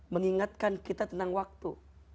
mengingatkan kita tentang waktu